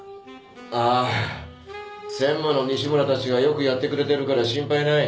ああ専務の西村たちがよくやってくれてるから心配ない。